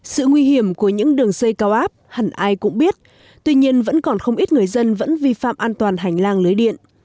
sự nguy hiểm của những đường xây cao áp hẳn ai cũng biết tuy nhiên vẫn còn không ít người dân vẫn vi phạm an toàn hành lang lưới điện